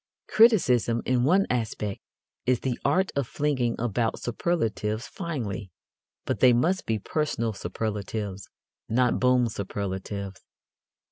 Criticism, in one aspect, is the art of flinging about superlatives finely. But they must be personal superlatives, not boom superlatives.